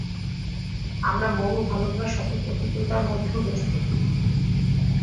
আমরা মরু ভালুকরা শত প্রতিকূলতার মধ্যেও বেঁচে থাকি।